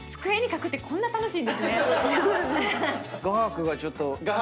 画伯がちょっと。